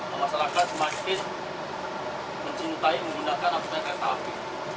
memasangkan semakin mencintai menggunakan kereta api